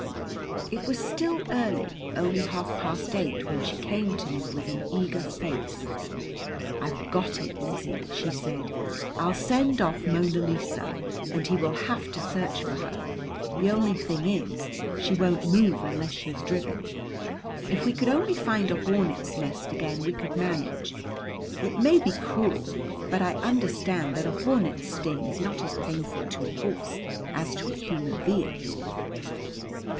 It was still early, only half past eight, when she came to me with an eager face. "I've got it, Lizzie," she said. "I'll send off Mona Lisa, and he will have to search for her. The only thing is, she won't move unless she's driven. If we could only find a hornet's nest again, we could manage. It may be cruel, but I understand that a hornet's sting is not as painful to a horse as to a human being."